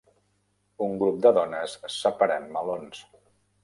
Un grup de dones separant melons.